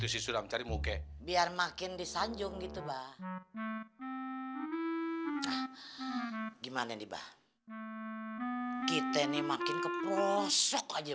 si sulam cari muka biar makin disanjung gitu bah gimana dibah kita ini makin ke prosok aja